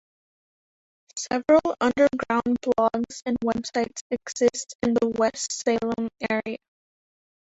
Several underground blogs and websites exist in the West Salem area.